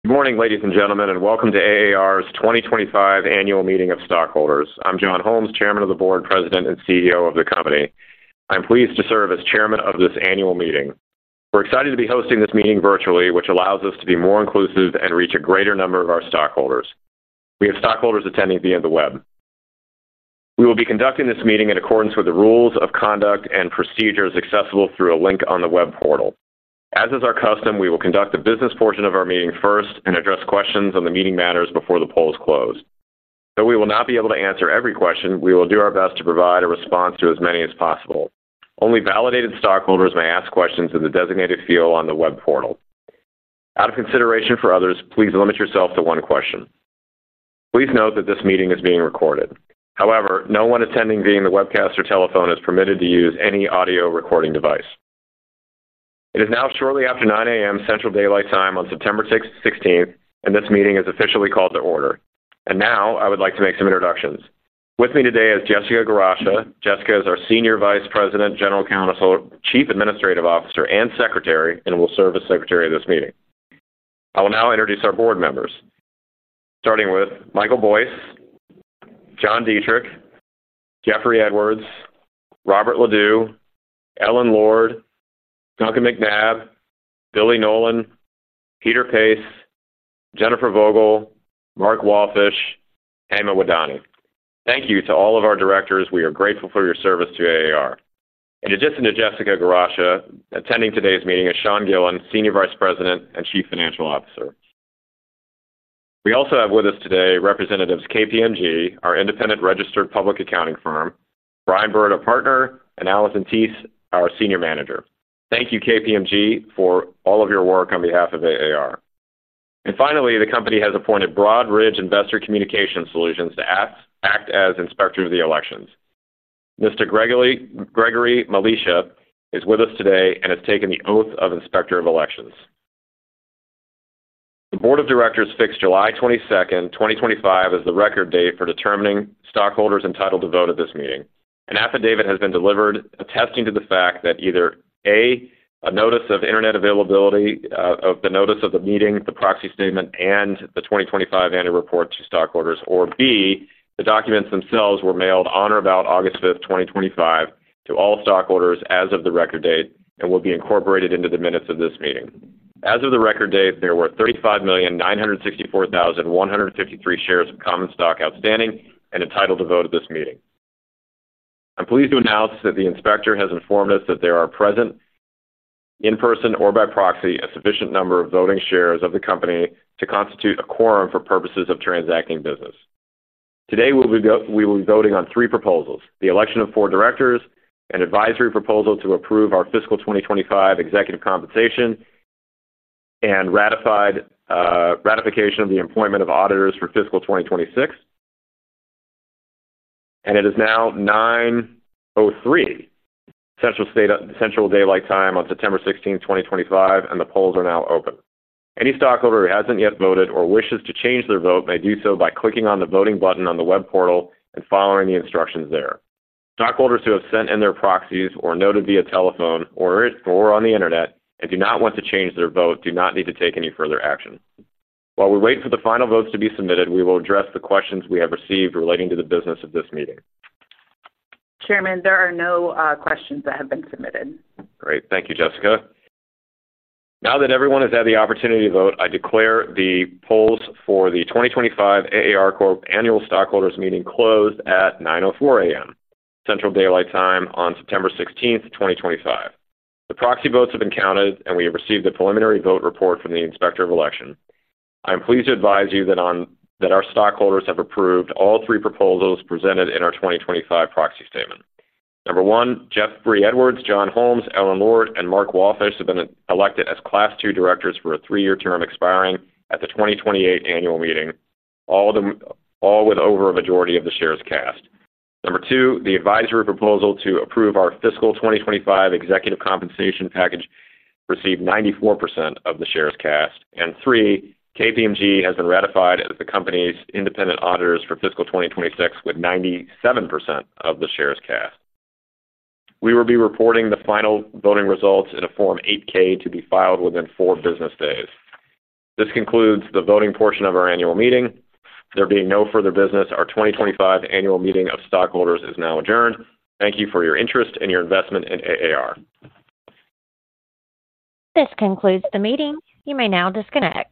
Good morning, ladies and gentlemen, and welcome to AAR's 2025 annual meeting of stockholders. I'm John Holmes, Chairman of the Board, President, and CEO of the company. I'm pleased to serve as Chairman of this annual meeting. We're excited to be hosting this meeting virtually, which allows us to be more inclusive and reach a greater number of our stockholders. We have stockholders attending via the web. We will be conducting this meeting in accordance with the rules of conduct and procedures accessible through a link on the web portal. As is our custom, we will conduct the business portion of our meeting first and address questions on the meeting matters before the polls close. Though we will not be able to answer every question, we will do our best to provide a response to as many as possible. Only validated stockholders may ask questions in the designated field on the web portal. Out of consideration for others, please limit yourself to one question. Please note that this meeting is being recorded. However, no one attending via the webcast or telephone is permitted to use any audio recording device. It is now shortly after 9:00 A.M. Central Daylight Time on September 16th, and this meeting is officially called to order. I would like to make some introductions. With me today is Jessica Garacha. Jessica is our Senior Vice President, General Counsel, Chief Administrative Officer, and Secretary, and will serve as Secretary of this meeting. I will now introduce our board members, starting with Michael Boyce, John Dietrich, Jeffrey Edwards, Robert Ledoux, Ellen Lord, Duncan McNabb, Billy Nolan, Peter Pace, Jennifer Vogel, Mark Wallfish, and Emma Wadani. Thank you to all of our directors. We are grateful for your service to AAR. In addition to Jessica Garacha, attending today's meeting is Sean Gillen, Senior Vice President and Chief Financial Officer. We also have with us today representatives from KPMG, our independent registered public accounting firm, Brian Berta, a Partner, and Alison Tease, our Senior Manager. Thank you, KPMG, for all of your work on behalf of AAR. Finally, the company has appointed Broad Ridge Investor Communication Solutions to act as Inspector of Elections. Mr. Gregory Maleshia is with us today and has taken the oath of Inspector of Elections. The Board of Directors fixed July 22nd, 2025, as the record date for determining stockholders entitled to vote at this meeting. An affidavit has been delivered attesting to the fact that either A, a notice of internet availability, the notice of the meeting, the proxy statement, and the 2025 annual report to stockholders, or B, the documents themselves were mailed on or about August 5, 2025, to all stockholders as of the record date and will be incorporated into the minutes of this meeting. As of the record date, there were 35,964,153 shares of common stock outstanding and entitled to vote at this meeting. I'm pleased to announce that the Inspector of Elections has informed us that there are present, in person or by proxy, a sufficient number of voting shares of the company to constitute a quorum for purposes of transacting business. Today, we will be voting on three proposals: the election of four directors, an advisory proposal to approve our fiscal 2025 executive compensation package, and ratification of the appointment of auditors for fiscal 2026. It is now 9:03 A.M. Central Daylight Time on September 16, 2025, and the polls are now open. Any stockholder who hasn't yet voted or wishes to change their vote may do so by clicking on the voting button on the web portal and following the instructions there. Stockholders who have sent in their proxies or voted via telephone or on the internet and do not want to change their vote do not need to take any further action. While we wait for the final votes to be submitted, we will address the questions we have received relating to the business of this meeting. Chairman, there are no questions that have been submitted. Great. Thank you, Jessica. Now that everyone has had the opportunity to vote, I declare the polls for the 2025 AAR Corp Annual Stockholders Meeting closed at 9:04 A.M. Central Daylight Time on September 16, 2025. The proxy votes have been counted, and we have received a preliminary vote report from the Inspector of Elections. I am pleased to advise you that our stockholders have approved all three proposals presented in our 2025 proxy statement. Number one, Jeffrey Edwards, John Holmes, Ellen Lord, and Mark Wallfish have been elected as Class 2 Directors for a three-year term expiring at the 2028 annual meeting, all with over a majority of the shares cast. Number two, the advisory proposal to approve our fiscal 2025 executive compensation package received 94% of the shares cast. Number three, KPMG has been ratified as the company's independent auditors for fiscal 2026 with 97% of the shares cast. We will be reporting the final voting results in a Form 8-K to be filed within four business days. This concludes the voting portion of our annual meeting. There being no further business, our 2025 annual meeting of stockholders is now adjourned. Thank you for your interest and your investment in AAR. This concludes the meeting. You may now disconnect.